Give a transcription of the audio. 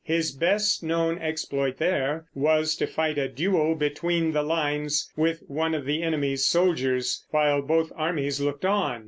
His best known exploit there was to fight a duel between the lines with one of the enemy's soldiers, while both armies looked on.